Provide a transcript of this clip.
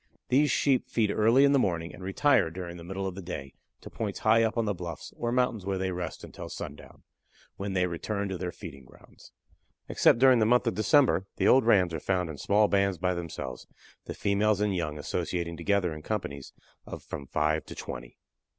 These Sheep feed early in the morning, and retire during the middle of the day to points high up on the bluffs or mountains where they rest until sundown, when they return to their feeding grounds. Except during the month of December the old rams are found in small bands by themselves, the females and young associating together in companies of from five to twenty.